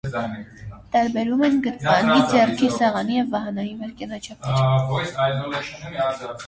Տարբերում են գրպանի, ձեռքի, սեղանի և վահանային վայրկենաչափեր։